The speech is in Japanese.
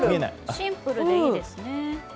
シンプルでいいですね。